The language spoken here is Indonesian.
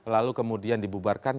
lalu kemudian dibubarkan